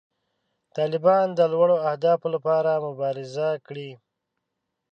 طالبانو د لوړو اهدافو لپاره مبارزه کړې.